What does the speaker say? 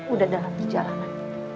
udah dalam perjalanan